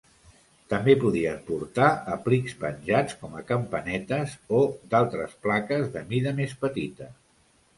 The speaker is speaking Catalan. També podien portar aplics penjats com a campanetes o d'altres plaques de mida més petita.